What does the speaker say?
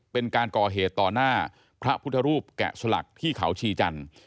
เป็นการก่อเหตุต่อหน้าพระพุทธรูปแกะสลักที่เขาชีจันทร์